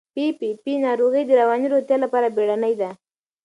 پي پي پي ناروغي د رواني روغتیا لپاره بیړنۍ ده.